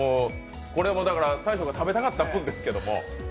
これ、大昇さんが食べたかった分ですけど。